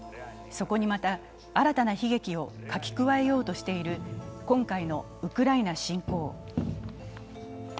そこにまた新たな悲劇を書き加えようとしている今回のウクライナ侵攻。